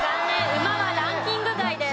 ウマはランキング外です。